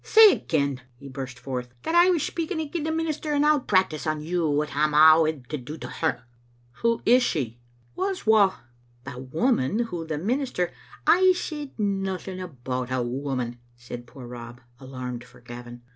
Say again," he burst forth, that I was speaking agin the minister and I'll practise on you what I'm awid to do to her." ♦^ Who is she?" ♦♦ Wha's wha?" " The woman whom the minister ♦*I said nothing about a woman," said poor Rob, alarmed for Gavin.